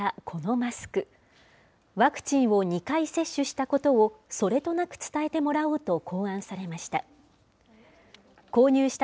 ワクチンを２回接種したことを、それとなく伝えてもらおうと、考案されました。